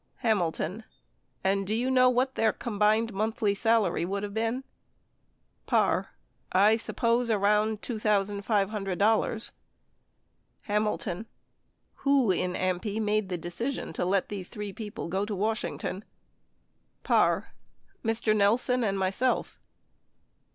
Hamilton. And do you know what their combined monthly salary would have been ? Parr. I suppose around $2,500. ❖*%%% Hamilton. Who in AMPI made the decision to let these three people go to Washington? Parr. Mr. Nelson and myself.